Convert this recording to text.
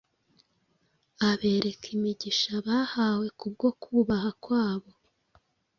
abereka imigisha bahawe kubwo kubaha kwabo